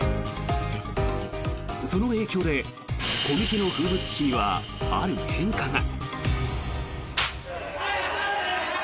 その影響でコミケの風物詩にはある変化が。